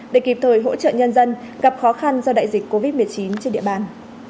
để kịp thời hỗ trợ nhân dân gặp khó khăn do đại dịch covid một mươi chín trên địa bàn